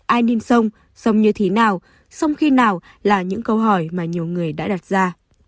ai nên sông sông như thế nào sông khi nào là những câu hỏi mà nhiều người đã đặt ra